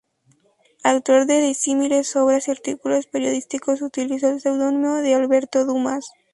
Autor de disímiles obras y artículos periodísticos, utilizó el seudónimo de Alberto Dumas.